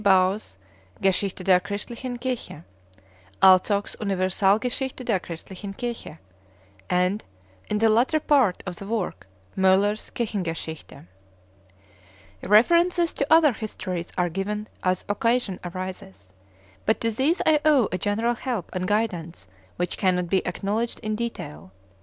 Baur s Ge schichte der Christlichen Kir die, Alzog s Universalge schichte der Christlichen Kirche, and (in the latter part of the work) Holler s Kirchengeschichte. References to other Histories are given as occasion arises, but to these I owe a general help and guidance which cannot be acknowledged in detail.